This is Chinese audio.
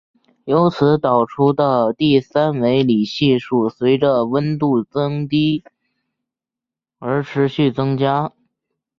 由此导出的第三维里系数随着温度降低而持续增加。